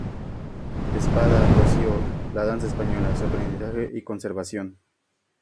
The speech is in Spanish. Espada, Rocío: La danza española: su aprendizaje y conservación.